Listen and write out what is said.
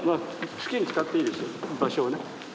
好きに使っていいです場所をね。